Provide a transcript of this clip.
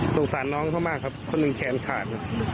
สงสารน้องเขามากครับคนหนึ่งแขนขาดครับ